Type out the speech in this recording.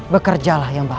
bekerjalah yang baik